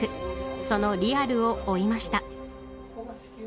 そのリアルを追いました。